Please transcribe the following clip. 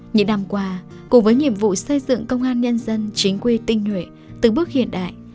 những năm qua cùng với nhiệm vụ xây dựng công an nhân dân chính quy tinh nhuệ từng bước hiện đại